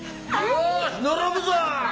よし並ぶぞ！